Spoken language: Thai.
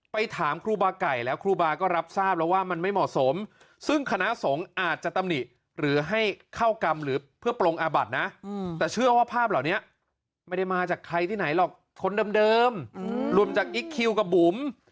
ไปถามครูบาไก่แล้วครูบาก็รับทราบแล้วว่ามันไม่เหมาะสมซึ่งคณะสงฆ์อาจจะตำหนิหรือให้เข้ากรรมหรือเพื่อปรงอาบัตินะแต่เชื่อว่าภาพเหล่านี้ไม่ได้มาจากใครที่ไหนหรอกคนเดิมรวมจากอิ๊กคิวกับบุ๋ม